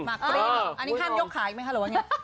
อันนี้ให้โยกขาอีกไหมคะหรือว่างี้